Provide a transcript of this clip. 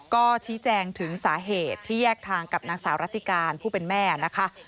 ก็ชี้แจงถึงสาเหตุที่แยกทางกับนางสาวรัติการผู้เป็นแม่นะคะ